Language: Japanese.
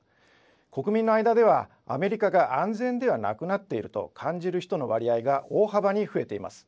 国民の間ではアメリカが安全ではなくなっていると感じる人の割合が大幅に増えています。